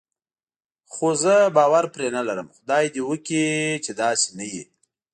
خو زه باور پرې نه لرم، خدای دې وکړي چې داسې نه وي.